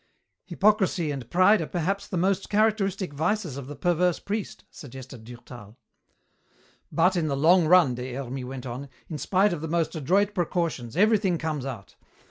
"Hypocrisy and pride are perhaps the most characteristic vices of the perverse priest," suggested Durtal. "But in the long run," Des Hermies went on, "in spite of the most adroit precautions, everything comes out.